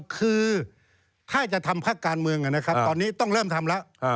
คือถ้าจะทำภาคการเมืองนะครับตอนนี้ต้องเริ่มทำแล้ว